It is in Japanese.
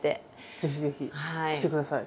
ぜひぜひ来てください。